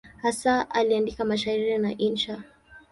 Hasa aliandika mashairi na insha.